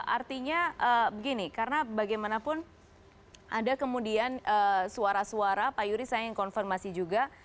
artinya begini karena bagaimanapun ada kemudian suara suara pak yuri saya ingin konfirmasi juga